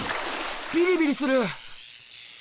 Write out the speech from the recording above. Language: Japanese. ビリビリする！